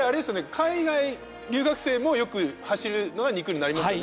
海外留学生もよく走るのは２区になりますよね？